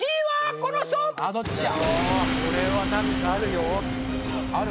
・これは何かあるよ・ある？